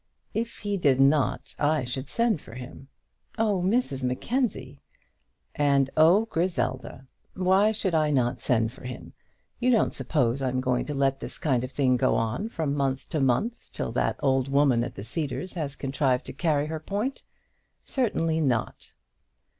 "If he did not, I should send for him." "Oh, Mrs Mackenzie!" "And oh, Griselda! Why should I not send for him? You don't suppose I'm going to let this kind of thing go on from month to month, till that old woman at the Cedars has contrived to carry her point. Certainly not."